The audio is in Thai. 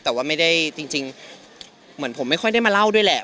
แต่ว่าไม่ได้จริงเหมือนผมไม่ค่อยได้มาเล่าด้วยแหละ